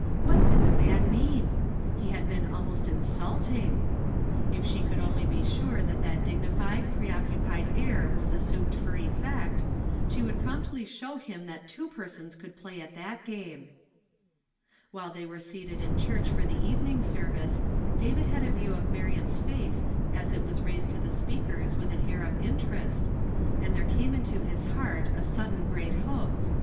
What did the man mean '^ He had been almost insulting! If she could only be sure that that dignified, preoccupied air was assumed for effect, slie would promptly show him that two per sons could play at that game. While they were seated in church for the even ing service, David had a view of Miriam's face as It was i aised to the speaker's with an air of inter est, and there came into his heart a sudden great hope thot sh